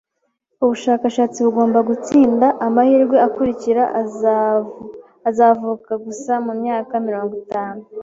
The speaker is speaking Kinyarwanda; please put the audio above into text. Ubushakashatsi bugomba gutsinda. Amahirwe akurikira azavuka gusa mumyaka mirongo itanu.